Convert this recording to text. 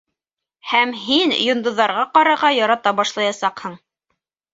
Һәм һин йондрҙҙарға ҡарарға ярата башлаясаҡһың...